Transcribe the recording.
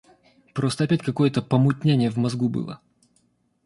Просто опять какое-то помутнение в мозгу было.